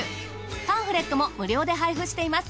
パンフレットも無料で配布しています。